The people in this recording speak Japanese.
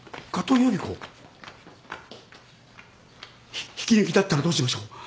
ひ引き抜きだったらどうしましょう。